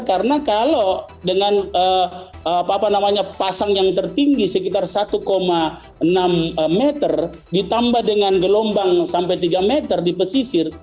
karena kalau dengan apa namanya pasang yang tertinggi sekitar satu enam meter ditambah dengan gelombang sampai tiga meter di pesisir